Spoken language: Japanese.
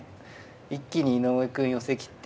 一気に井上くん寄せきって。